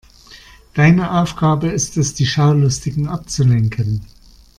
Deine Aufgabe ist es, die Schaulustigen abzulenken.